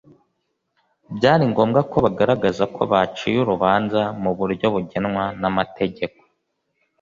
byari ngombwa ko bagaragaza ko baciye urubanza mu buryo bugenwa n’amategeko